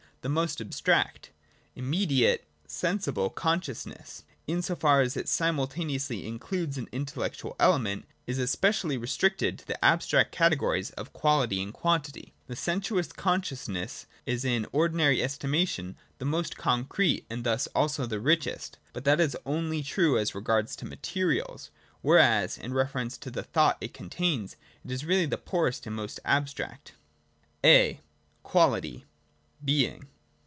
the most abstract. Immediate (sensible) consciousness, in so far as it simul taneously includes an intellectual element, is especially re stricted to the abstract categories of quality and quantity. 158 THE DOCTRINE OF BEING. [85,86. The sensuous consciousness is in ordinary estimation the most concrete and thus also the richest ; but that is only true as regards materials, whereas, in reference to the thought it contains, it is really the poorest and most abstract. A. — Quality. (a) Being.